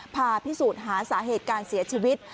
พาพิสูจน์หาสาเหตุการเสียชีวิต